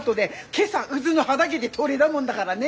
今朝うぢの畑で取れだもんだがらね。